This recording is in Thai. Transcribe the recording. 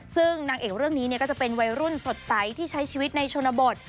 ซึ่งนางเอกเรื่องนี้ก็จะเป็นวัยรุ่นสดใสที่ใช้ชีวิตในชนบท